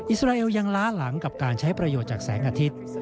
อิสราเอลยังล้าหลังกับการใช้ประโยชน์จากแสงอาทิตย์